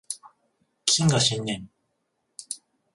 謹賀新年